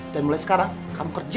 mulai sekarang kamu kerja